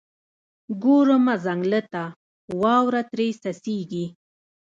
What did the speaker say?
ګورمه ځنګله ته، واوره ترې څڅیږي